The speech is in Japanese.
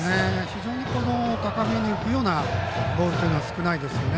非常に高めに浮くようなボールというのは少ないですよね。